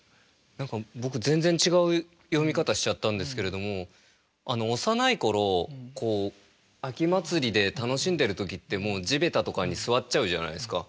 何か僕全然違う読み方しちゃったんですけれども幼い頃秋祭りで楽しんでる時ってもう地べたとかに座っちゃうじゃないですか。